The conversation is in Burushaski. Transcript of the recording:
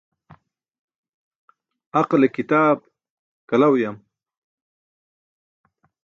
Aqale kitaap kala uyam.